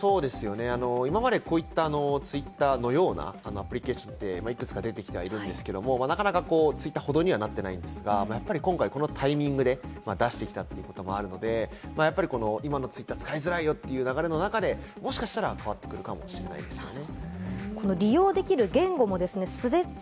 今までこういったツイッターのようなアプリケーションでいくつか出てきてはいるんですけれども、なかなかツイッターほどにはなっていないんですが、やっぱり今回、このタイミングで出してきたということもあるので、やっぱり今のツイッター使いづらいよという流れの中でもしかしたら変わってくるかもしれないですよね。